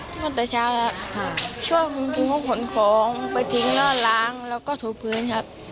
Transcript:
ตอนต่อเช้าครับช่วงคุณครูขนของไปทิ้งแล้วล้างแล้วก็ถูกพื้นครับ